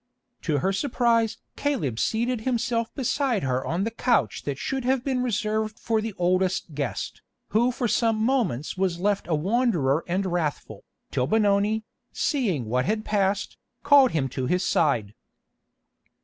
To her surprise Caleb seated himself beside her on the couch that should have been reserved for the oldest guest, who for some moments was left a wanderer and wrathful, till Benoni, seeing what had passed, called him to his side.